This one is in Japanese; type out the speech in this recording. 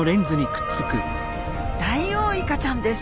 ダイオウイカちゃんです。